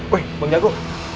weh bang jago